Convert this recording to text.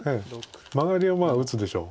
マガリは打つでしょう。